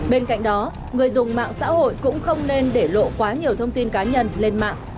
bên cạnh đó người dùng mạng xã hội cũng không nên để lộ quá nhiều thông tin cá nhân lên mạng